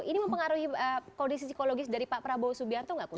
ini mempengaruhi kondisi psikologis dari pak prabowo subianto nggak pus